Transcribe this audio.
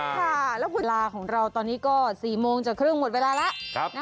แล้วเวลาของเราตอนนี้ก็๔๓๐จนหมดเวลาและ